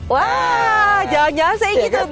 wah jangan nyasain gitu